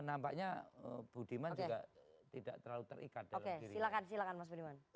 nampaknya budiman juga tidak terlalu terikat